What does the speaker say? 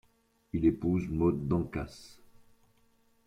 Il épouse Maud Dancase.